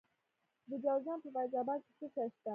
د جوزجان په فیض اباد کې څه شی شته؟